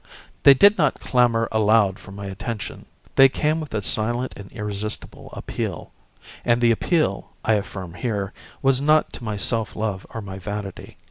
They did not clamour aloud for my attention. They came with a silent and irresistible appeal and the appeal, I affirm here, was not to my self love or my vanity.